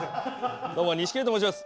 どうも錦鯉と申します。